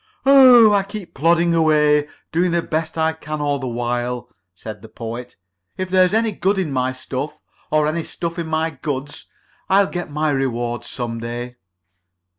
"Oh, I keep plodding away, doing the best I can all the while," said the Poet. "If there's any good in my stuff, or any stuff in my goods, I'll get my reward some day."